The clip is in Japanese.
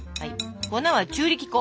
粉は中力粉。